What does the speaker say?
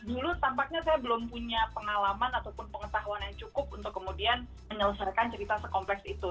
dulu tampaknya saya belum punya pengalaman ataupun pengetahuan yang cukup untuk kemudian menyelesaikan cerita sekompleks itu